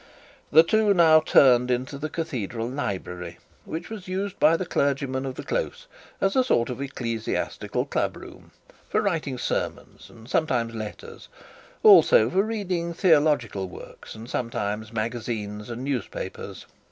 The two now turned into the cathedral library, which was used by the clergymen of the close as a sort of ecclesiastical club room, for writing sermons and sometimes letters; also for reading theological works, and sometimes magazines and newspapers.